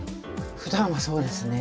ふだんはそうですね。